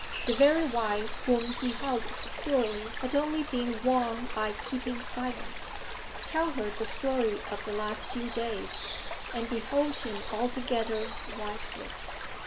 The very wife whom he held securely had only been won by keeping silence; tell her the story of the last few days, and behold him altogether wifeless.